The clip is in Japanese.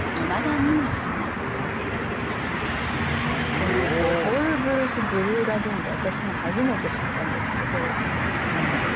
この「エボルブルスブルーラグーン」って私も初めて知ったんですけど何だと思いますか？